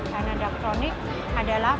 karena daktronics adalah